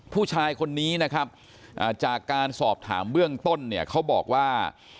ผู้ชายคนนี้นะครับจากการสอบถามเบื้องต้นเนี่ยเขาบอกว่า